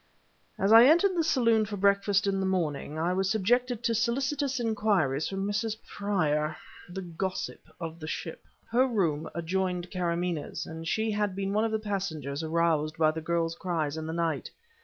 As I entered the saloon for breakfast in the morning, I was subjected to solicitous inquiries from Mrs. Prior, the gossip of the ship. Her room adjoined Karamaneh's and she had been one of the passengers aroused by the girl's cries in the night.